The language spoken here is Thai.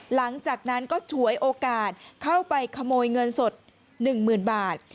หลังจากนั้นก็ฉวยโอกาสเข้าไปขโมยเงินสด๑๐๐๐บาท